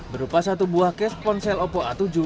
berupa satu buah cas ponsel oppo a tujuh